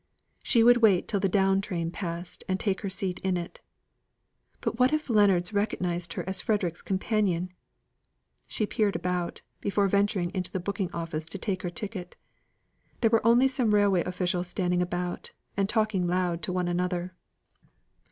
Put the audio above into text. She would wait till the down train passed and take her seat in it. But what if Leonards recognized her as Frederick's companion! She peered about, before venturing into the booking office to take her ticket. There were only some railway officials standing about; and talking loud to one another.